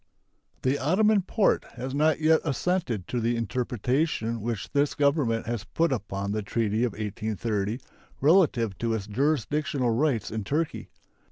The Ottoman Porte has not yet assented to the interpretation which this Government has put upon the treaty of 1830 relative to its jurisdictional rights in Turkey.